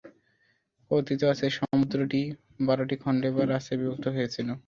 কথিত আছে, সমুদ্রটি বারটি খণ্ডে বা রাস্তায় বিভক্ত হয়েছিল।